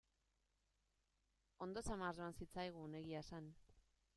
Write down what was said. Ondo samar joan zitzaigun, egia esan.